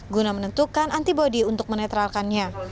guna menentukan antibody untuk menetralkannya